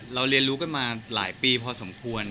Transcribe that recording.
เรียนรู้กันมาหลายปีพอสมควร